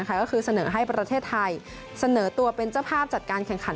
ก็คือเสนอให้ประเทศไทยเสนอตัวเป็นเจ้าภาพจัดการแข่งขัน